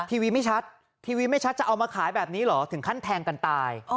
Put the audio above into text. ทีวีไม่ชัดทีวีไม่ชัดจะเอามาขายแบบนี้เหรอถึงขั้นแทงกันตาย